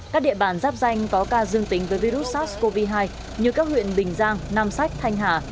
các địa bàn giáp danh có ca dương tính với virus sars cov hai như các huyện bình giang nam sách thanh hà